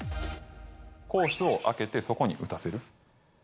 コースを空けてそこに打たせる。